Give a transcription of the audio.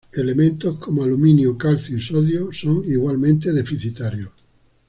Elementos como aluminio, calcio y sodio son igualmente deficitarios.